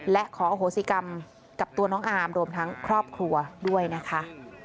และขออโหสิกรรมกับตัวน้องอาร์มรวมทั้งครอบครัวด้วยนะคะ